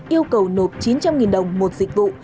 yêu cầu nộp chín trăm linh đồng một dịch vụ